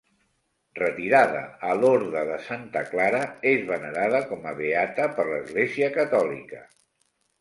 Retirada a l'Orde de Santa Clara, és venerada com a beata per l'Església catòlica.